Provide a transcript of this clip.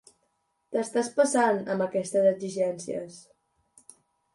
T'estàs passant, amb aquestes exigències.